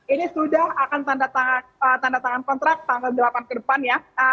ini sudah akan tanda tangan kontrak tanggal delapan ke depan ya